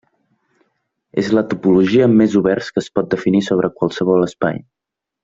És la topologia amb més oberts que es pot definir sobre qualsevol espai.